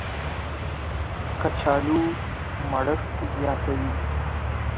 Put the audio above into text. کچالو مړښت زیاتوي